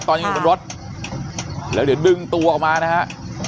ตอนนี้รถแล้วเดี๋ยวดึงตัวออกมานะฮะ